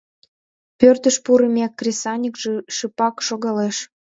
Пӧртыш пурымек, кресаньык шыпак шогалеш.